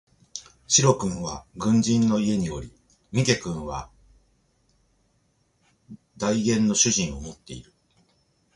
白君は軍人の家におり三毛君は代言の主人を持っている